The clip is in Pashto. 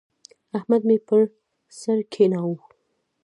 احمد مې پر سر کېناوو.